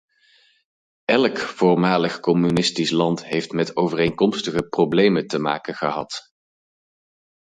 Elk voormalig communistisch land heeft met overeenkomstige problemen te maken gehad.